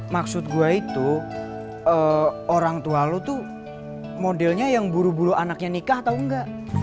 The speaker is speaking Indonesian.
maksud gue itu orang tua lo tuh modelnya yang buru buru anaknya nikah atau enggak